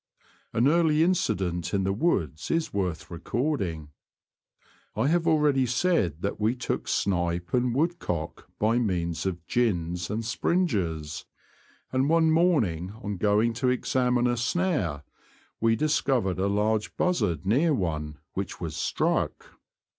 An early incident in the woods is worth recording. I have already said that we took snipe and woodcock by means of '' gins " and '' springes," and one morning on going to examine a snare, we discovered a large buzzard near one which was '' struck."